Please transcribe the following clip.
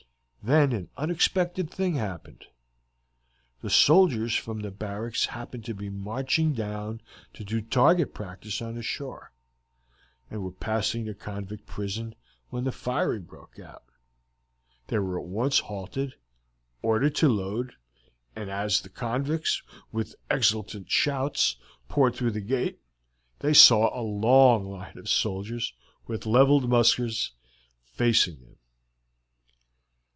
Then an unexpected thing occurred. The soldiers from the barracks happened to be marching down to do target practice on the shore, and were passing the convict prison when the firing broke out. They were at once halted, and ordered to load, and as the convicts, with exultant shouts, poured through the gate they saw a long line of soldiers, with leveled muskets, facing them.